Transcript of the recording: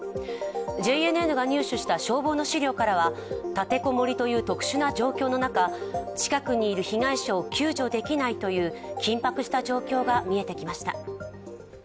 ＪＮＮが入手した消防の資料からは、立て籠もりという特殊な状況の中、近くにいる被害者を救助できないという緊迫した状況が見えてきました。